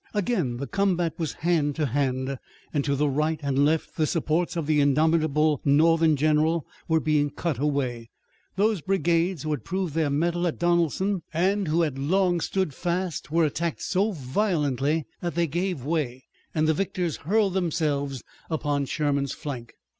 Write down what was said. Again the combat was hand to hand, and to the right and left the supports of the indomitable Northern general were being cut away. Those brigades who had proved their mettle at Donelson, and who had long stood fast, were attacked so violently that they gave way, and the victors hurled themselves upon Sherman's flank.